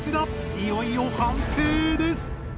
いよいよ判定です！